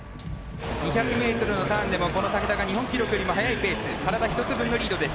２００ｍのターンでも竹田が日本記録よりも速いペース、体１つ分のリード。